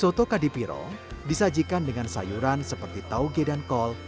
soto kadipiro disajikan dengan sayuran seperti tauge dan kol